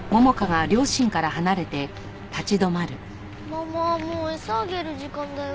ママもう餌あげる時間だよ。